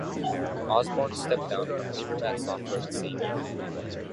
Osborne stepped down from Paperback Software the same year.